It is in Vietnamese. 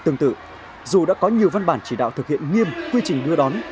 tương tự dù đã có nhiều văn bản chỉ đạo thực hiện nghiêm quy trình đưa đón